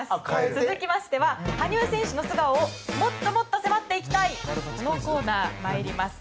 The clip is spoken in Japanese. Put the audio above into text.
続きは羽生選手の素顔をもっともっと迫っていきたいこのコーナー参ります。